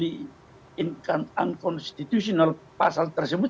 dan tidak konstitusional pasal tersebut